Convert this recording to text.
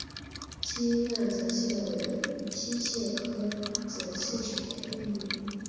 清亮泽蟹为溪蟹科泽蟹属的动物。